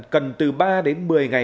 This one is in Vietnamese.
cần từ ba đến một mươi ngày